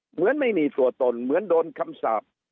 เหมือนไม่มีตัวตนเหมือนโดนคำสาป